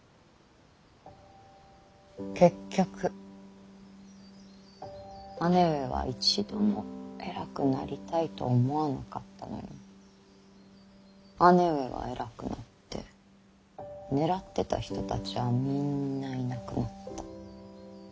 結局姉上は一度も偉くなりたいと思わなかったのに姉上は偉くなって狙ってた人たちはみんないなくなった。